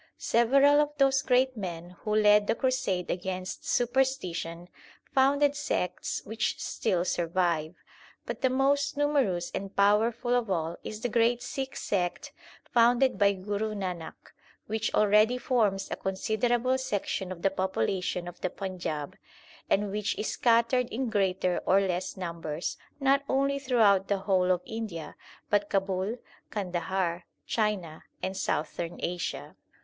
Several of those great men who led the crusade against superstition, founded sects which still survive ; but the most numerous and powerful of all is the great Sikh sect founded by Guru Nanak, which already forms a considerable section of the population of the Panjab, and which is scattered in greater or less numbers not only throughout the whole of India but Kabul, Kandahar, China, and Southern Asia.